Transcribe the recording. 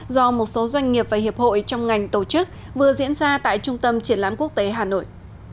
do một số doanh nghiệp và hiệp hội trong ngành tổ chức vừa diễn ra tại trung tâm triển lãm quốc tế hà nội